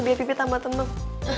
biar pipi tambah tenang